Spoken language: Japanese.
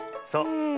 そう。